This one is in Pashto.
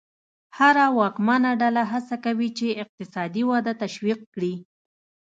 هره واکمنه ډله هڅه کوي چې اقتصادي وده تشویق کړي.